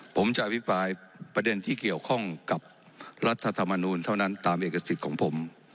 ผมจะอภิปรายประเด็นที่เกี่ยวข้องกับรัฐธรรมนูลเท่านั้นตามเอกสิทธิ์ของผม